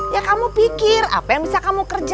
ya kamu pikir apa yang bisa kamu kerja